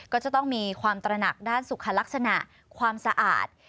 ก็จะต้องมีความตระหนักด้านสุขลักษณะความสะอาด